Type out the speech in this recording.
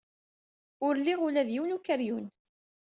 Ur liɣ ula d yiwen n ukeryun.